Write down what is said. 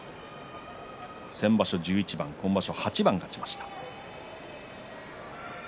先場所、１１番今場所８番勝ちました。